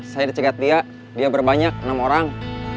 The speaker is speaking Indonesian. saya dicegat dia dia berbanyak enam orang